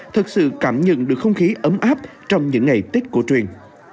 thật sự cảm nhận được không khí ấm áp trong những ngày tết cổ truyền